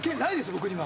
僕には。